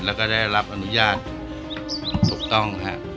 แล้วก็ได้รับอนุญาตถูกต้องฮะ